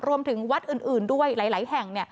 รวมถึงวัดอื่นด้วยหลายแห่ง